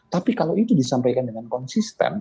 tapi kalau itu disampaikan dengan konsisten